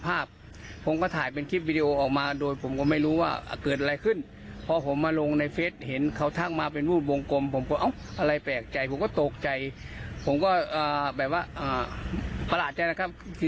ผมก็ตกใจผมก็แบบว่าปลาดใจครับ